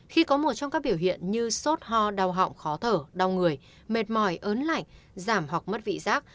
khi có một trong các biểu hiện như sốt ho đau họng khó thở đau người mệt mỏi ớn lạnh giảm hoặc mất vị giác